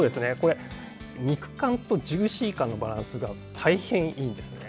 肉感とジューシー感のバランスが大変いいんですね。